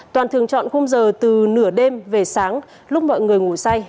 toàn thường chọn khung giờ từ nửa đêm về sáng lúc mọi người ngủ say